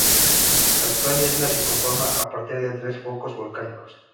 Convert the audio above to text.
La actual isla se conforma a partir de tres focos volcánicos.